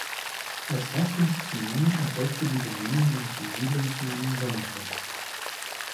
Als Herkunftsname erfolgte die Benennung nach dem Siedlungsnamen "Sommerfeld".